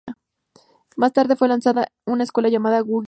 Más tarde, fue lanzada una secuela llamada Yu-Gi-Oh!